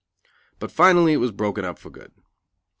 But finally it was broken up for good.